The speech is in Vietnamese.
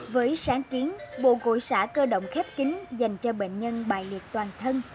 với sáng kiến bộ gội xã cơ động khép kính dành cho bệnh nhân bài liệt toàn thân